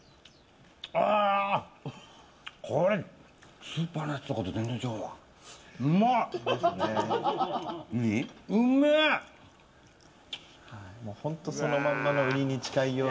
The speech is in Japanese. これ、スーパーのやつと全然違うわ。